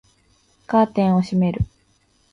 カーテンを閉める